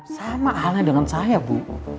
sama halnya dengan saya bu